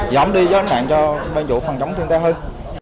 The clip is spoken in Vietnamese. giỏm đi cái nạn cho đơn chủ phòng chống thiên tai hơn